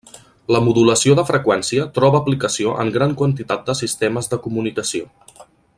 La modulació de freqüència troba aplicació en gran quantitat de sistemes de comunicació.